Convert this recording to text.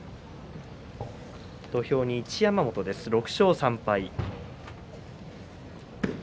土俵に一山本です、６勝３敗。